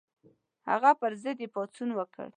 هغه پر ضد یې پاڅون وکړ.